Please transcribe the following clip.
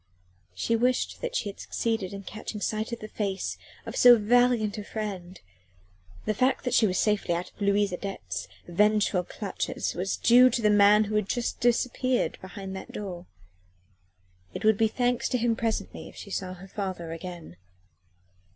She wished that she had succeeded in catching sight of the face of so valiant a friend: the fact that she was safely out of Louise Adet's vengeful clutches was due to the man who had just disappeared behind that door. It would be thanks to him presently if she saw her father again.